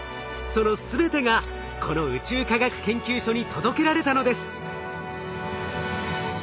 その全てがこの宇宙科学研究所に届けられたのです。